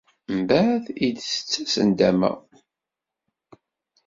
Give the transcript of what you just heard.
Mbeεd i d-tettas nndama.